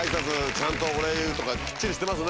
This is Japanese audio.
ちゃんとお礼言うとかきっちりしてますね。